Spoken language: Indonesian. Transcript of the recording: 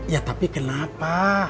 ya tapi kenapa